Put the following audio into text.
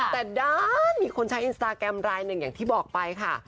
แต่ด้านมีคนใช้อินสตาแกรมรายหนึ่งอย่างที่บอกไปค่ะ